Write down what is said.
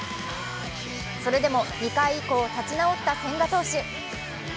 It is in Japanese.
それでも２回以降、立ち直った千賀投手。